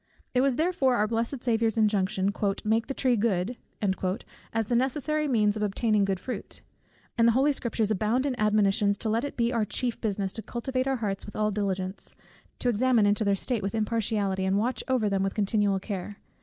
It was therefore our blessed Saviour's injunction, "Make the tree good" as the necessary means of obtaining good fruit; and the holy Scriptures abound in admonitions, to let it be our chief business to cultivate our hearts with all diligence, to examine into their state with impartiality, and watch over them with continual care.